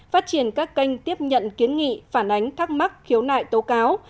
phát triển các kênh tiếp nhận kiến nghị phản ánh thắc mắc khiếu nại tố cáo